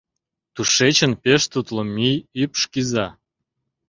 Тушечын пеш тутло мӱй ӱпш кӱза.